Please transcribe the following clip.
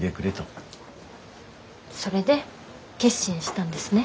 それで決心したんですね。